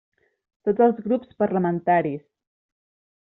Tots els grups parlamentaris.